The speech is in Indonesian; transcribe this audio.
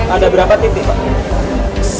ada berapa titik